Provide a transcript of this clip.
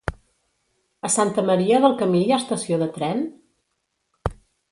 A Santa Maria del Camí hi ha estació de tren?